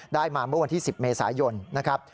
ได้มาเมื่อวันที่๑๐เมษายนนะครับ